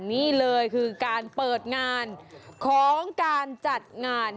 นี่เลยคือการเปิดงานของการจัดงาน